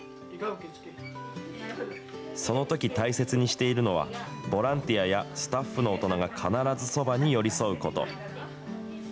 そのとき大切にしているのは、ボランティアやスタッフの大人が必ずそばに寄り添うこと。